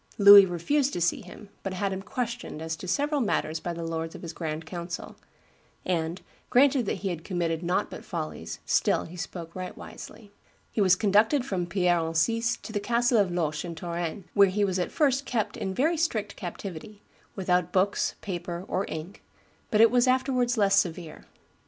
Louis refused to see him, but had him "questioned as to several matters by the lords of his grand council; and, granted that he had committed nought but follies, still he spoke right wisely." He was conducted from Pierre Encise to the castle of Loches in Touraine, where he was at first kept in very strict captivity, "without books, paper, or ink," but it was afterwards less severe.